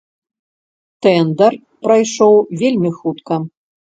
Тэндар прайшоў вельмі хутка.